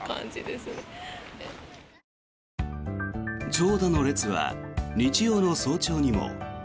長蛇の列は日曜の早朝にも。